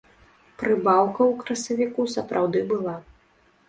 Прыбаўка ў красавіку сапраўды была.